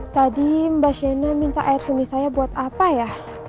tadi mbak shina minta air sumi saya buat apa ya